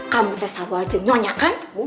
kamu tes apa aja nyonya kan